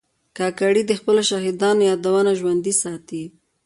کاکړي د خپلو شهیدانو یادونه ژوندي ساتي.